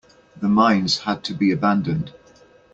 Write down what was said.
The mines had to be abandoned.